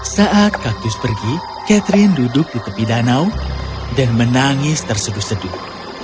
saat kaktus pergi catherine duduk di tepi danau dan menangis terseduh seduh